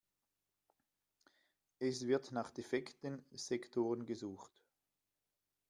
Es wird nach defekten Sektoren gesucht.